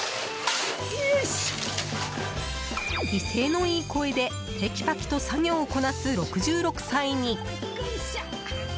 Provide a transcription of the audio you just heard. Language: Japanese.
威勢のいい声でテキパキと作業をこなす６６歳に。